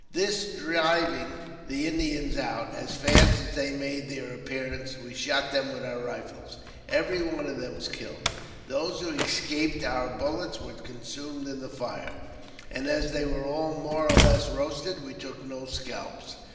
This driving the Indians out, as fast as they made their appearance we shot them with our rifles. Every one of them was killed ; those who escaped our bullets were consumed in the fire ; and as they were all more or less roasted, we took no scalps.